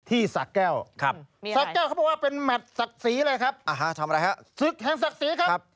ที่สะแก้วครับสะแก้วเขาบอกว่าเป็นหมัดศักดิ์ศรีเลยครับศึกแห่งศักดิ์ศรีครับ